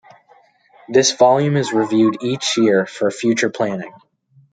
This volume is reviewed each year for future planning.